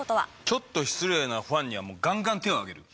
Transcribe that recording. ちょっと失礼なファンにはガンガン手をあげる。